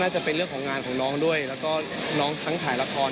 จะเป็นเรื่องของงานของน้องด้วยแล้วก็น้องทั้งถ่ายละคร